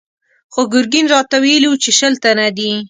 خو ګرګين راته ويلي و چې شل تنه دي.